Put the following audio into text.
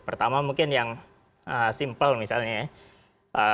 pertama mungkin yang simpel misalnya ya